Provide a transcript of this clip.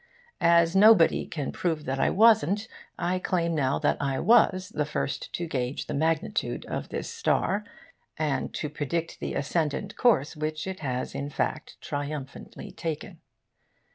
As nobody can prove that I wasn't, I claim now that I was the first to gauge the magnitude of this star and to predict the ascendant course which it has in fact triumphantly taken.